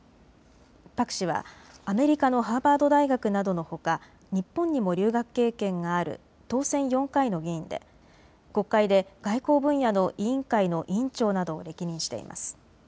パク氏はアメリカのハーバード大学などのほか日本にも留学経験がある当選４回の議員で国会で外交分野の委員会の委員長などを歴任しています。